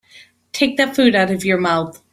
Take that food out of your mouth.